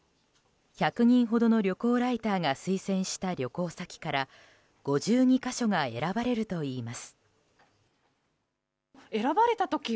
１００人ほどの旅行ライターが推薦した旅行先から５２か所が選ばれるといいます。